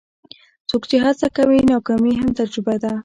څوک چې هڅه کوي، ناکامي یې هم تجربه ده.